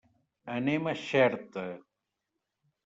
Anem a Xerta.